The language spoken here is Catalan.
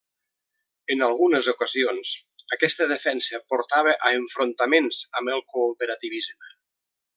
En algunes ocasions, aquesta defensa portava a enfrontaments amb el cooperativisme.